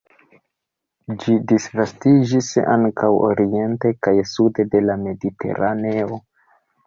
Ĝi disvastiĝis ankaŭ oriente kaj sude de la Mediteraneo.